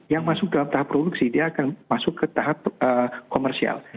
yang masuk dalam tahap produksi dia akan masuk ke tahap komersial